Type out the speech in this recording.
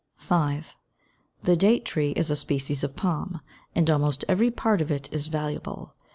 5. The date tree is a species of palm, and almost every part of it is valuable.